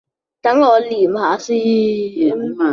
等我諗吓先